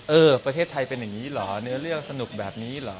เออประเทศไทยเป็นอย่างนี้เหรอเนื้อเรื่องสนุกแบบนี้เหรอ